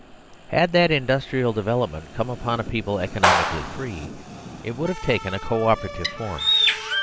Had that industrial development come upon a people economically free, it would have taken a co operative form.